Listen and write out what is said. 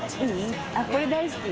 これ大好き。